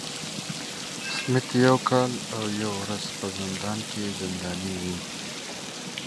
Smith was sentenced to one year and one day in prison.